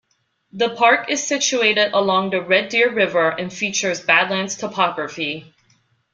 The park is situated along the Red Deer River and features badlands topography.